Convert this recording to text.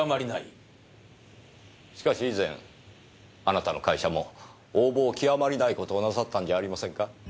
しかし以前あなたの会社も横暴極まりないことをなさったんじゃありませんか？